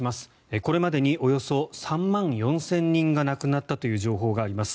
これまでにおよそ３万４０００人が亡くなったという情報があります。